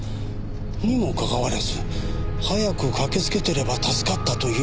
にもかかわらず早く駆けつけてれば助かったと言えるのは。